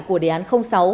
của đề án sáu